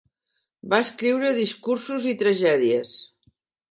Va escriure discursos i tragèdies.